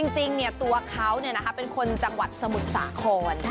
จริงตัวเขาเป็นคนจังหวัดสมุทรสาคร